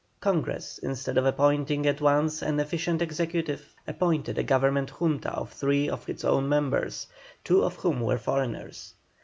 Congress instead of appointing at once an efficient executive appointed a governing Junta of three of its own members, two of whom were foreigners.